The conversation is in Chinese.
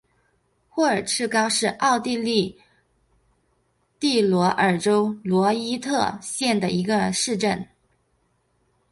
霍尔茨高是奥地利蒂罗尔州罗伊特县的一个市镇。